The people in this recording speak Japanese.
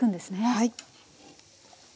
はい。